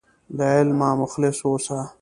له علمه مخلص اوسه.